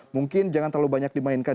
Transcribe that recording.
mungkin jangan terlalu banyak dimainkan